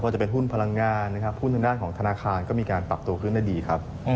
จะเป็นหุ้นพลังงานนะครับหุ้นทางด้านของธนาคารก็มีการปรับตัวขึ้นได้ดีครับ